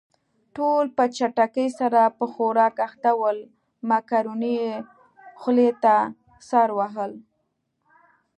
ټول په چټکۍ سره په خوراک اخته ول، مکروني يې خولې ته سر وهل.